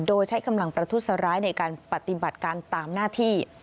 โดยใช้กำลังประทุษร้ายในการปฏิบัติการตามหน้าที่